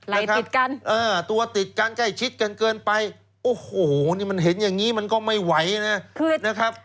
นะครับติดกันเออตัวติดกันใกล้ชิดกันเกินไปโอ้โหนี่มันเห็นอย่างนี้มันก็ไม่ไหวนะนะครับ